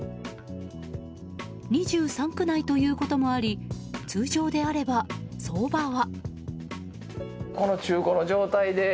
２３区内ということもあり通常であれば、相場は。